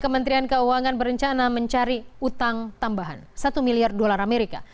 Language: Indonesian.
kementerian keuangan berencana mencari utang tambahan satu miliar dolar amerika